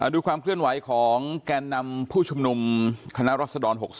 ดูความเคลื่อนไหวของแกนนำผู้ชุมนุมคณะรัศดร๖๓